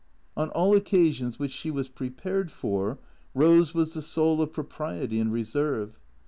On all occasions which she was prepared for, Eose was the soul of propriety and reserve.